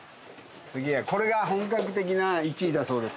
これが本格的な１位だそうです。